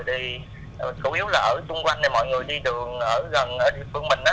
thì chủ yếu là ở xung quanh này mọi người đi đường ở gần ở địa phương mình á